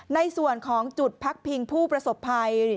ในส่วนของจุดพักพิงผู้ประสบภัย